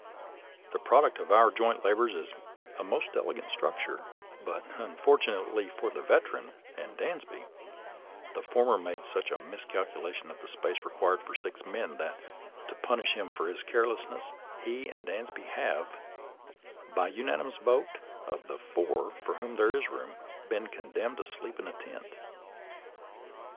The product of our joint labors is a most elegant structure ; but, unfortunately for the Veteran and Dansby, the former made such a miscalculation of the space required for six men that, to punish him for his carelessness, he and Dansby have, by unanimous vote of the four for whom there is room, been condemned to sleep in a tent.